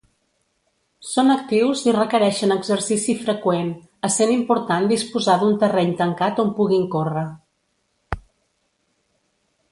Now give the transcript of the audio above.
Són actius i requereixen exercici freqüent, essent important disposar d'un terreny tancat on puguin córrer.